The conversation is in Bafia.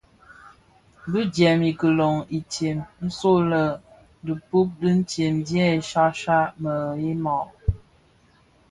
Bi djèm kilōň itsem nso lè dhipud ditsem dyè shyashyak mëyeňa.